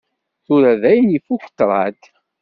Tura dayen ifukk ṭṭraḍ.